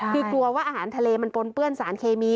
คือกลัวว่าอาหารทะเลมันปนเปื้อนสารเคมี